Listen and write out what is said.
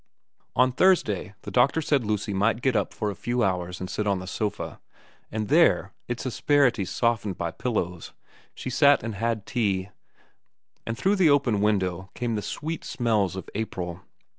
On Thursday the doctor said Lucy might get up for a few hours and sit on the sofa ; and there, its asperities softened by pillows, she sat and had tea, and through the open window came the sweet smells of April.